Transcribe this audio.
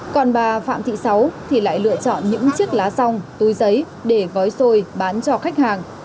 còn bà phạm thị sáu thì lại lựa chọn những chiếc lá rong túi giấy để gói xôi bán cho khách hàng